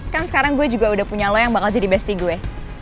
kan sekarang gue juga udah punya lo yang bakal jadi besty gue